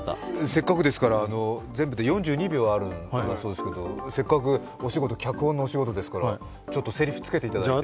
せっかくですから全部で４２秒あるそうですがせっかく脚本のお仕事ですからせりふつけて頂いて。